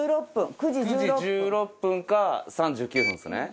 ９時１６分か３９分ですね。